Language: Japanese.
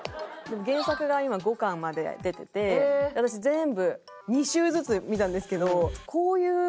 原作が今５巻まで出てて私全部２周ずつ見たんですけど。